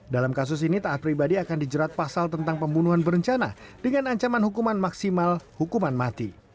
dalam kasus ini taat pribadi akan dijerat pasal tentang pembunuhan berencana dengan ancaman hukuman maksimal hukuman mati